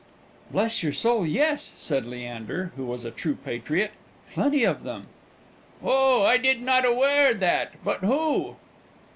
"Bless your soul, yes," said Leander, who was a true patriot, "plenty of them!" "Oh, I did not aware that; but who?"